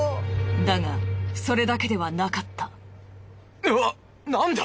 だがそれだけではなかった。